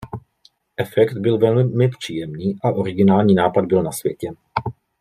Efekt byl velmi příjemný a originální nápad byl na světě.